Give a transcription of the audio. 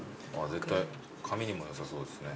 絶対髪にもよさそうですね。